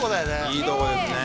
いいとこですね